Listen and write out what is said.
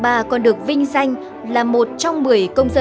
bà còn được vinh danh là một trong một mươi nhà máy sản xuất